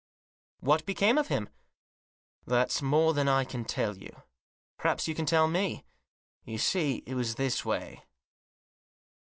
" But what became of him ?"" That's more than I can tell you. Perhaps you can tell me. You see, it was this way."